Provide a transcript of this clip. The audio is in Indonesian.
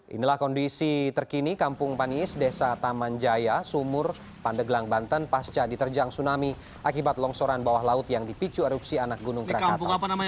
inilah kondisi terkini kampung paniis desa taman jaya sumur pandeglang banten pasca diterjang tsunami akibat longsoran bawah laut yang dipicu erupsi anak gunung krakatau